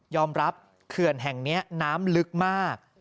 อมรับเขื่อนแห่งนี้น้ำลึกมาก